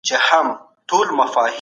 کله سرحدونه د کډوالو پر مخ تړل کیږي؟